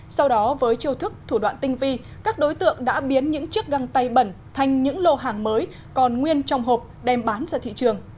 sau đó với chiêu thức thủ đoạn tinh vi các đối tượng đã biến những chiếc găng tay bẩn thành những lô hàng mới còn nguyên trong hộp đem bán ra thị trường